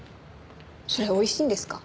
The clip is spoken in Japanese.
それおいしいんですか？